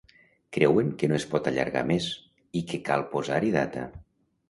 Creuen que no es pot allargar més i que cal posar-hi data.